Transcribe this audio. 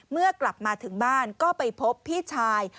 เมื่อกลับมาถึงบ้านก็ไปพบพี่ชาย